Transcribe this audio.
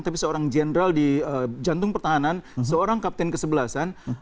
tapi seorang jenderal di jantung pertahanan seorang kapten kesebelasan